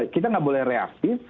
kita tidak boleh reaktif